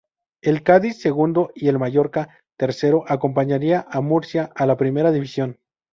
El Cádiz, segundo y el Mallorca, tercero, acompañaría al Murcia a la Primera División.